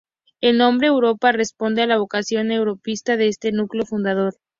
El nombre "Europa" responde a la vocación europeísta de este núcleo fundador.